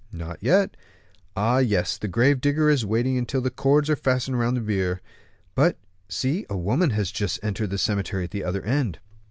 "Not yet." "Ah! yes, the grave digger is waiting until the cords are fastened round the bier. But, see, a woman has just entered the cemetery at the other end."